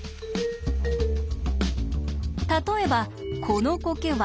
例えばこのコケは４。